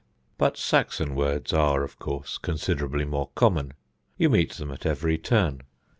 But Saxon words are, of course, considerably more common. You meet them at every turn.